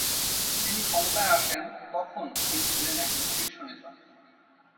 তিনি ক্ষমতায় আসেন তখন তিনি ছিলেন একজন শীর্ষ নেতা।